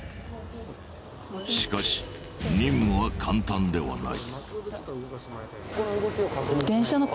しかし任務は簡単ではない。